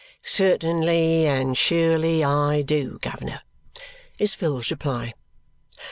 "Certainly and surely I do, guv'ner," is Phil's reply.